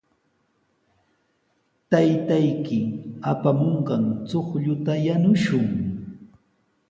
Taytayki apamunqan chuqlluta yanushun.